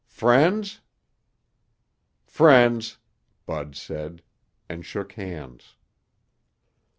"Friends?" "Friends," Bud said, and shook hands.